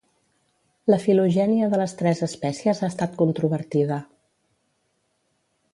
La filogènia de les tres espècies ha estat controvertida.